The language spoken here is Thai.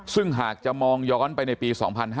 ซึ่งหากจะมองย้อนไปในปี๒๕๕๙